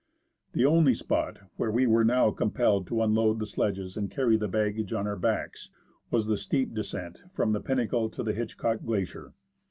The only spot where we were now compelled to unload the sledges and carry the baggage on our backs was the steep descent from the Pinnacle to the Hitchcock Glacier.